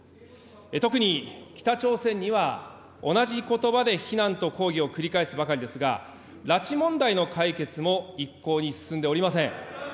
特に北朝鮮には、同じことばで非難と抗議を繰り返すばかりですが、拉致問題の解決も一向に進んでおりません。